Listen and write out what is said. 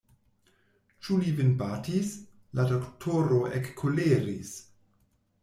Ĉu li vin batis!? La doktoro ekkoleris.